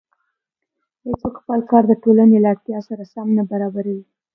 هېڅوک خپل کار د ټولنې له اړتیا سره سم نه برابروي